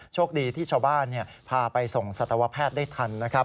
โชคดีที่ชาวบ้านพาไปส่งสัตวแพทย์ได้ทันนะครับ